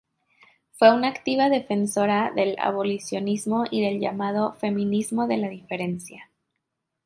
Fue una activa defensora del abolicionismo y del llamado "feminismo de la diferencia".